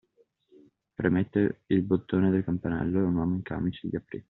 Premette il bottone del campanello e un uomo in camice gli aprì.